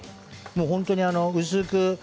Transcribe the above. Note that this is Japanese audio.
本当に薄く。